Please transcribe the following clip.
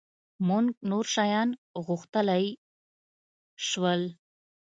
مونږ نور شیان غوښتلای شول.